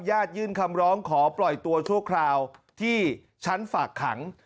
ยื่นคำร้องขอปล่อยตัวชั่วคราวที่ชั้นฝากขัง